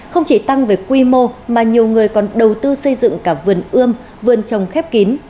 không chỉ tăng về quy mô mà nhiều người còn đầu tư xây dựng cả vườn ươm vườn trồng khép kín